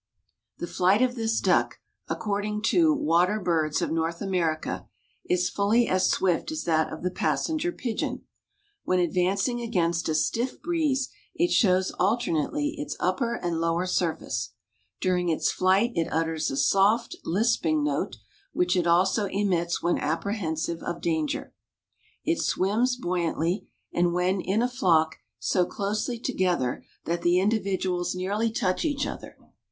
The flight of this duck, according to "Water Birds of North America," is fully as swift as that of the passenger pigeon. "When advancing against a stiff breeze it shows alternately its upper and lower surface. During its flight it utters a soft, lisping note, which it also emits when apprehensive of danger. It swims buoyantly, and when in a flock so closely together that the individuals nearly touch each other.